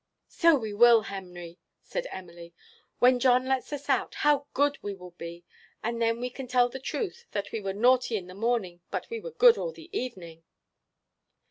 "So we will, Henry," said Emily. "When John lets us out, how good we will be! and then we can tell the truth, that we were naughty in the morning, but we were good all the evening."